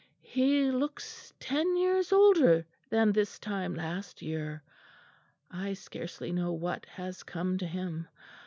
He looks ten years older than this time last year; I scarcely know what has come to him.